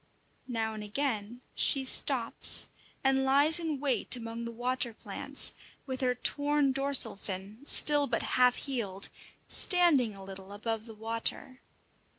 Now and again she stops and lies in wait among the water plants, with her torn, dorsal fin, still but half healed, standing a little above the water.